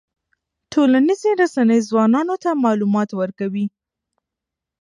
ټولنیزې رسنۍ ځوانانو ته معلومات ورکوي.